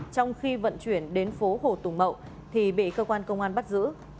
trong khi vận chuyển đến phố hồ tùng mậu thì bị cơ quan công an bắt giữ